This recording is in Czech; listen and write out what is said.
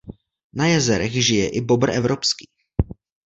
Na jezerech žije i bobr evropský.